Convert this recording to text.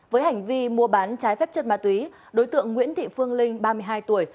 với hành vi mua bán trái phép chất ma túy đối tượng nguyễn thị phương linh ba mươi hai tuổi